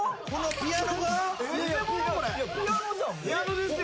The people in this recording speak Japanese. ピアノですよ。